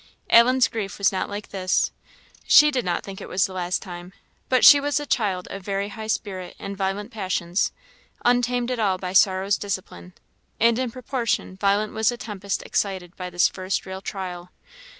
Ellen's grief was not like this; she did not think it was the last time; but she was a child of very high spirit and violent passions, untamed at all by sorrow's discipline; and in proportion violent was the tempest excited by this first real trial.